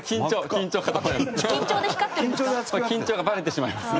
緊張がバレてしまいますね。